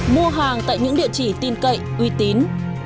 mua hàng tại những địa chỉ tin cậy uy tín